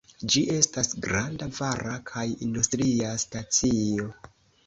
Ĝi estas granda vara kaj industria stacio.